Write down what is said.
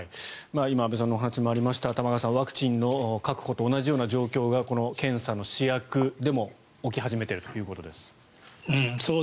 今安部さんの話にもありました玉川さん、ワクチンの確保と同じような状況が検査の試薬でも起き始めていると。